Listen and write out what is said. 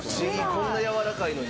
こんなやわらかいのにね。